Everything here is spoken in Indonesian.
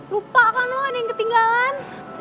lupa kan lo ada yang ketinggalan